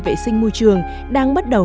vệ sinh môi trường đang bắt đầu